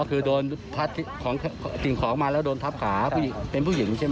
อ๋อคือติ่งของมาแล้วโดนทับขาเป็นผู้หญิงใช่ไหม